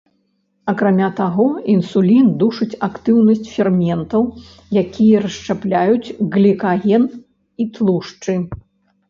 Акрамя таго, інсулін душыць актыўнасць ферментаў, якія расшчапляюць глікаген і тлушчы.